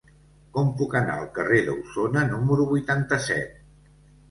Com puc anar al carrer d'Ausona número vuitanta-set?